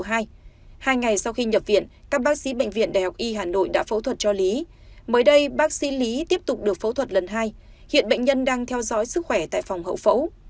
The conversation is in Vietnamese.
hai ngày sau khi nhập viện các bác sĩ bệnh viện đại học y hà nội đã phẫu thuật cho lý mới đây bác sĩ lý tiếp tục được phẫu thuật lần hai hiện bệnh nhân đang theo dõi sức khỏe tại phòng hậu phẫu